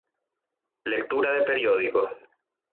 Lectura de periódicos.